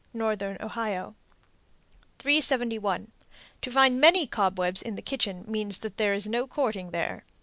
Northern Ohio. 371. To find many cobwebs in the kitchen means that there is no courting there.